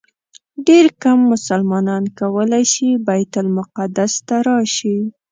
ډېر کم مسلمانان کولی شي بیت المقدس ته راشي.